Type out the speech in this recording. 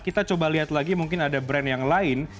kita coba lihat lagi mungkin ada brand yang lain